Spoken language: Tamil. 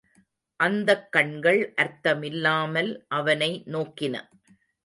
அந்தக் கண்கள் அர்த்தமில்லாமல் அவனை நோக்கின.